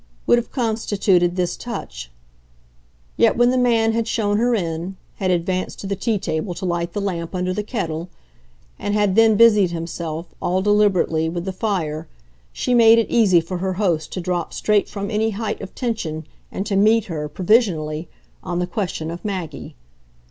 would have constituted this touch. Yet when the man had shown her in, had advanced to the tea table to light the lamp under the kettle and had then busied himself, all deliberately, with the fire, she made it easy for her host to drop straight from any height of tension and to meet her, provisionally, on the question of Maggie.